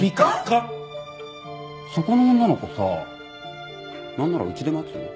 そこの女の子さなんならうちで待つ？